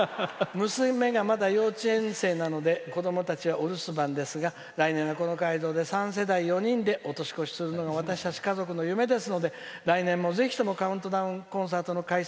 娘がまだ幼稚園生なので子供たちはお留守番ですが来年はこの会場で４人で年越しするのが目標ですので来年もぜひカウントダウンコンサートの開催